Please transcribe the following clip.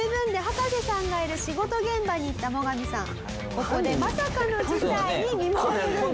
ここでまさかの事態に見舞われるんです。